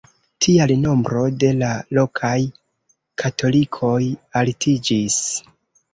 Tial nombro de la lokaj katolikoj altiĝis.